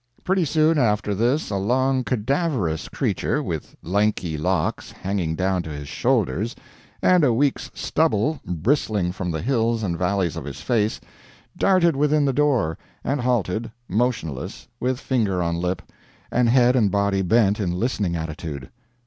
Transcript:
Pretty soon after this a long, cadaverous creature, with lanky locks hanging down to his shoulders, and a week's stubble bristling from the hills and valleys of his face, darted within the door, and halted, motionless, with finger on lip, and head and body bent in listening attitude.